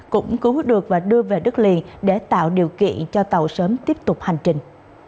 cũng cứu hút được và đưa về đất liền để tạo điều kiện cho tàu sớm tiếp tục hành trình